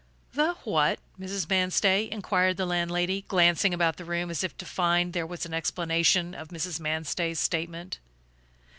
"The what, Mrs. Manstey?" inquired the landlady, glancing about the room as if to find there the explanation of Mrs. Manstey's statement.